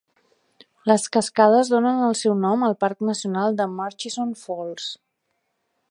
Les cascades donen el seu nom al parc nacional de Murchison Falls.